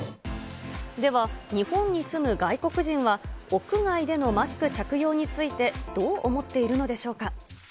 では、日本に住む外国人は屋外でのマスク着用について、どう思っているのでしょうか。